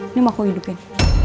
ini mau aku hidupin